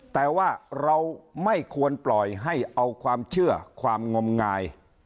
แต่ว่าเราไม่ควรปล่อยให้เอาความเชื่อความงมงาย